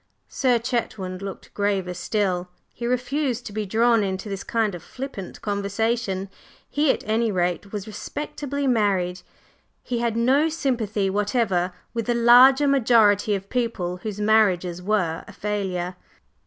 Sir Chetwynd looked graver still. He refused to be drawn into this kind of flippant conversation. He, at any rate, was respectably married; he had no sympathy whatever with the larger majority of people whose marriages were a failure.